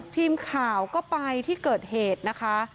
ทีมข่าวก็ไปที่เกิดเหตุนะคะ